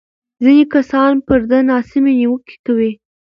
ځینې کسان پر ده ناسمې نیوکې کوي.